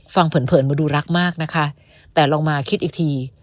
เผินมาดูรักมากนะคะแต่ลองมาคิดอีกที